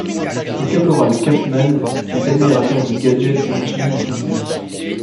Le caporal Capeman qui est admirateur de Gadget est mentionné dans cette série.